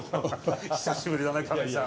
久しぶりだねカメさん。